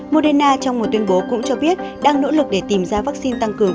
moderna trong một tuyên bố cũng cho biết đang nỗ lực để tìm ra vaccine tăng cường